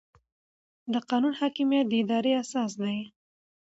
د قانون حاکمیت د ادارې اساس دی.